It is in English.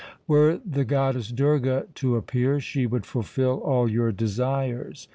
Were the goddess Durga to appear, she would fulfil all your desires.